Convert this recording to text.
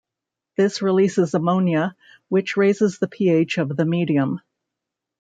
This releases ammonia, which raises the pH of the medium.